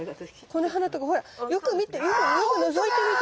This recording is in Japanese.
この花とかほらよく見てよくのぞいてみてよ。